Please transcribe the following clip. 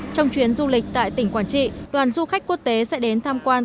trong chuyến du lịch tại tỉnh quảng trị đoàn du khách quốc tế sẽ đến tham quan